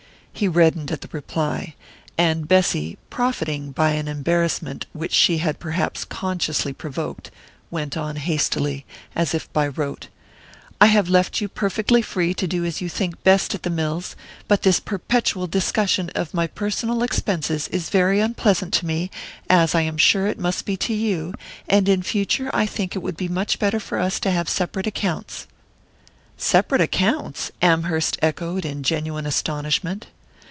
He reddened at the reply, and Bessy, profiting by an embarrassment which she had perhaps consciously provoked, went on hastily, and as if by rote: "I have left you perfectly free to do as you think best at the mills, but this perpetual discussion of my personal expenses is very unpleasant to me, as I am sure it must be to you, and in future I think it would be much better for us to have separate accounts." "Separate accounts?" Amherst echoed in genuine astonishment.